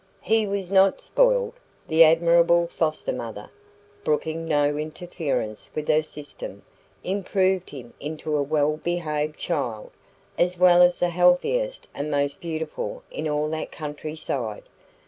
He was not spoiled. The admirable foster mother, brooking no interference with her system, improved him into a well behaved child, as well as the healthiest and most beautiful in all that countryside.